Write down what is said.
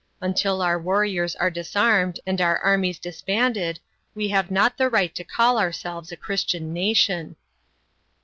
Until our warriors are disarmed and our armies disbanded, the have not the right to call ourselves a Christian nation."